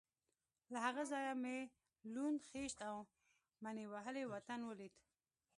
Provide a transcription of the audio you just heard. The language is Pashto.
له هغه ځایه مې لوند، خېشت او مني وهلی وطن ولید.